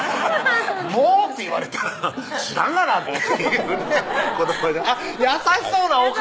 「もう」って言われたら知らんがな！ってあっ優しそうなお顔！